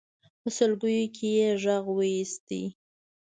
په سلګيو کې يې غږ واېست.